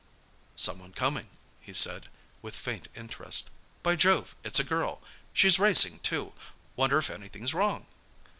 "Someone coming," he said, with faint interest. "By Jove, it's a girl! She's racing, too. Wonder if anything's wrong?"